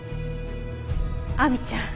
亜美ちゃん